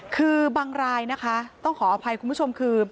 คือบางรายนะคะต้องขออภัยคุณผู้ชมคือ